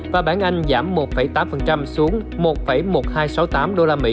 và bản anh giảm một tám xuống một một nghìn hai trăm sáu mươi tám usd